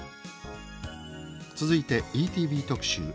続いてＥＴＶ特集